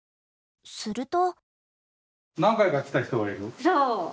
すると。